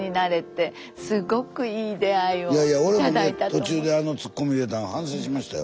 途中であのツッコミを入れたん反省しましたよ。